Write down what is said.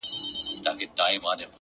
زړورتیا د شک تر سیوري تېرېږي.!